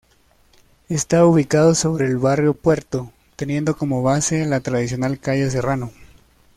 Está ubicado sobre el Barrio Puerto, teniendo como base la tradicional calle Serrano.